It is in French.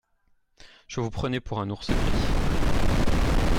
Je vous prenais pour un ours gris.